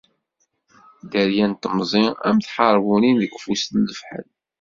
Dderya n temẓi am tḥerbunin deg ufus n lefḥel.